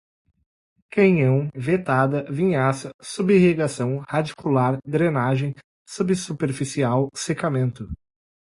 canhão, vetada, vinhaça, sub irrigação, radicular, drenagem, subsuperficial, secamento